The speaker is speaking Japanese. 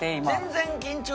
全然緊張